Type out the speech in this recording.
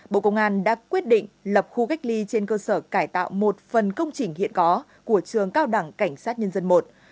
bộ công an đã quyết định lập khu cách ly trên cơ sở cải tạo một phần công trình hiện có của trường cao đẳng cảnh sát nhân dân i